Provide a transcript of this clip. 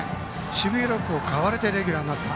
守備力を買われてレギュラーになった。